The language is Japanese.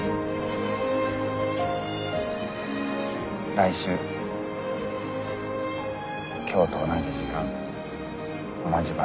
来週今日と同じ時間同じ場所で。